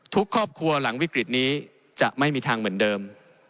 ทุกครอบครัวหลังวิกฤตนี้จะไม่มีทางเหมือนเดิม